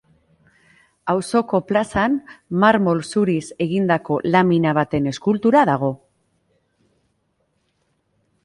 Auzoko plazan marmol zuriz egindako lamina baten eskultura dago.